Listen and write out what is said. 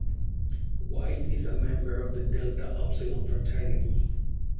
White is a member of The Delta Upsilon Fraternity.